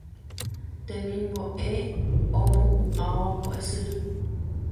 temimbo'e omohu'ãva mbo'esyry